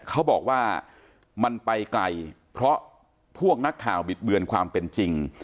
เขาบอกว่ามันไปไกลเพราะพวกนักข่าวบิดเบือนความเป็นจริง